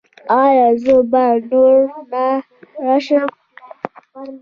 ایا زه به نور نه ژاړم؟